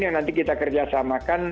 yang nanti kita kerjasamakan